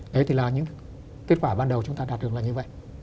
đấy thì là những kết quả ban đầu chúng ta đạt được là như vậy